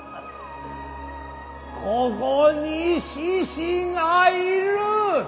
ここに獅子がいる。